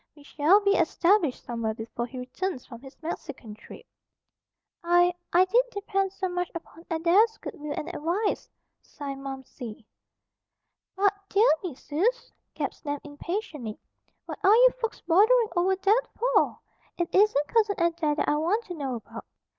We shall be established somewhere before he returns from his Mexican trip." "I, I did depend so much upon Adair's good will and advice," signed Momsey. "But, dear me suz!" gasped Nan impatiently. "What are you folks bothering over that for? It isn't Cousin Adair that I want to know about.